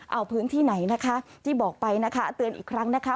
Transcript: เอาพื้นที่ไหนนะคะที่บอกไปนะคะเตือนอีกครั้งนะคะ